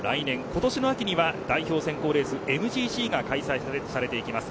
今年の秋には代表選考レースＭＧＣが開催されます。